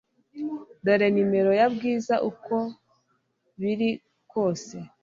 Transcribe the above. Dore nimero ya Bwiza uko biri kose